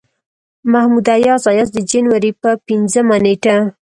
محمد اياز اياز د جنوري پۀ پينځمه نيټه